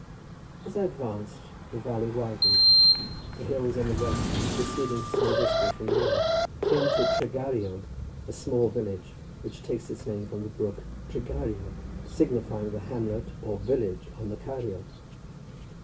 As I advanced the valley widened, the hills on the west receding to some distance from the river. Came to Tregeiriog, a small village, which takes its name from the brook; Tregeiriog signifying the hamlet or village on the Ceiriog.